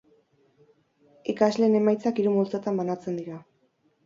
Ikasleen emaitzak hiru multzotan banatzen dira.